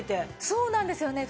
そうなんですよね。